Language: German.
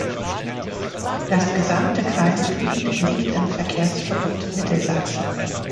Das gesamte Kreisgebiet liegt im Verkehrsverbund Mittelsachsen.